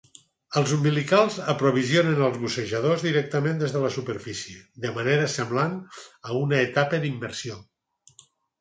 Els umbilicals aprovisionen als bussejadors directament des de la superfície, de manera semblant a una etapa d'immersió.